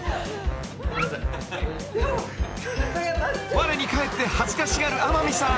［われに返って恥ずかしがる天海さん